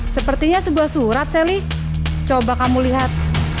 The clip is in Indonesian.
sepertinya sebuah surat sally coba kamu lihat